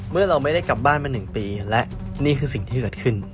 เราไม่ได้กลับบ้านมา๑ปีและนี่คือสิ่งที่เกิดขึ้น